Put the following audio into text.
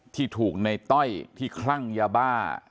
ที่ถูกในต้อยที่คลั่งยาบ้า